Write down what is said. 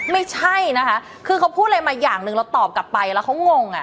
ไม่ใช่นะคะคือเขาพูดอะไรมาอย่างหนึ่งเราตอบกลับไปแล้วเขางงอ่ะ